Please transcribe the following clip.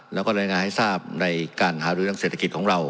แล้วก็รายงานให้ทราบในการหารือทางเศรษฐกิจของเรา